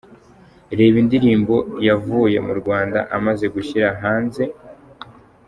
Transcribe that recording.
Reba indirimbo yavuye mu Rwanda amaze gushyira hanze:.